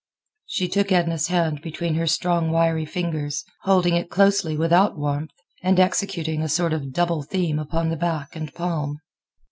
She took Edna's hand between her strong wiry fingers, holding it loosely without warmth, and executing a sort of double theme upon the back and palm.